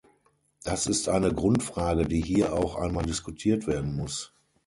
Das ist eine Grundfrage, die hier auch einmal diskutiert werden muss.